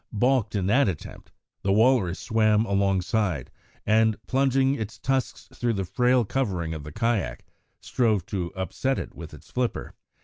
Baulked in that attempt, the walrus swam alongside and, plunging its tusks through the frail covering of the kayak, strove to upset it with its flipper.